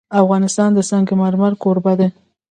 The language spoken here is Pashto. افغانستان د سنگ مرمر کوربه دی.